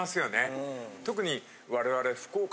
特に我々。